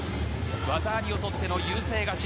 技ありをとっての優勢勝ち